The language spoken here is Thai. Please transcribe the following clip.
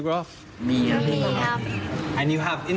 ๓แสนกว่าคน